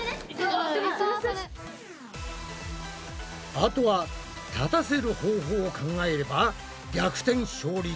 あとは立たせる方法を考えれば逆転勝利できるんじゃない！？